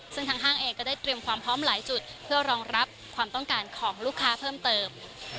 ซึ่งทางห้างเองก็ได้เตรียมความพร้อมหลายจุดเพื่อรองรับความต้องการของลูกค้าเพิ่มเติม